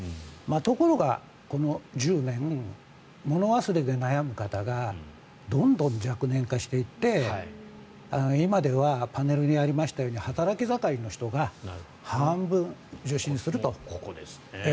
ところが、この１０年物忘れで悩む方がどんどん若年化していって今ではパネルにありましたように働き盛りの人が半分受診すると。